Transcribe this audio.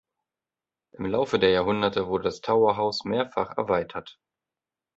Im Laufe der Jahrhunderte wurde das Tower House mehrfach erweitert.